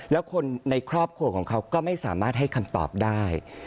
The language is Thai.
แล้วคนในครอบครัวของเขาก็ไม่สามารถให้คำตอบได้